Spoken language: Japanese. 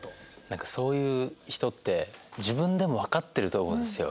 なんかそういう人って自分でもわかってると思うんですよ。